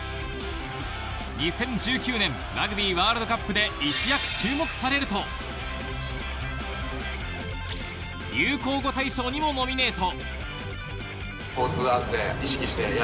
２０１９年ラグビーワールドカップで一躍注目されると、流行語大賞にもノミネート。